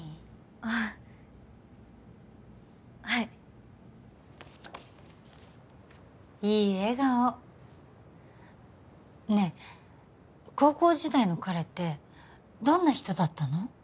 ああはいいい笑顔ねえ高校時代の彼ってどんな人だったの？